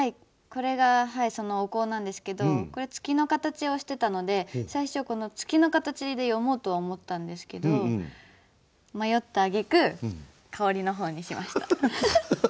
これがそのお香なんですけどこれ月の形をしてたので最初この月の形で詠もうとは思ったんですけど迷ったあげく香りの方にしました。